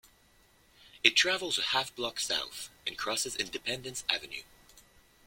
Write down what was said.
It travels a half block south, and crosses Independence Avenue.